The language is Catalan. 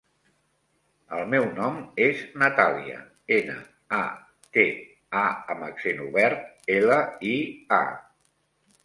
El meu nom és Natàlia: ena, a, te, a amb accent obert, ela, i, a.